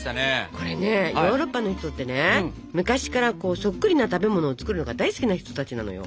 これねヨーロッパの人ってね昔からそっくりな食べ物を作るのが大好きな人たちなのよ。